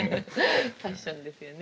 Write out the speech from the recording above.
パッションですよね。